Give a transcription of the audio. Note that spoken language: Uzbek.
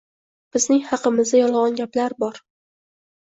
Bizning haqimizda yolg‘on gaplar bor.